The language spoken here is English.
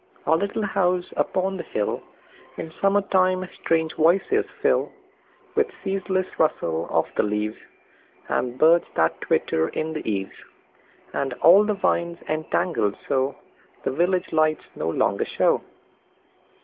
Our little house upon the hillIn summer time strange voices fill; With ceaseless rustle of the leaves, And birds that twitter in the eaves, And all the vines entangled soThe village lights no longer show.